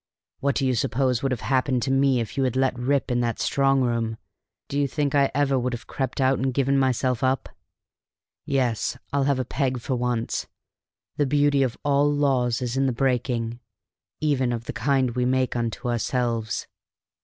What do you suppose would have happened to me if you had let me rip in that strong room? Do you think I would ever have crept out and given myself up? Yes, I'll have a peg for once; the beauty of all laws is in the breaking, even of the kind we make unto ourselves."